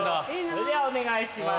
それではお願いします。